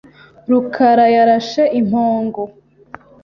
rukarayarashe impongo.